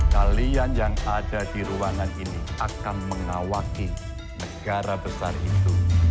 kalian yang ada di ruangan ini akan mengawaki negara besar itu